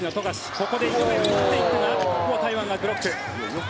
ここで井上が打っていったがここは台湾がブロック。